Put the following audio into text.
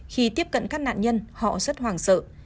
khi tiếp cận các nạn nhân họ rất hoảng sợ